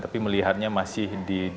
tapi melihatnya masih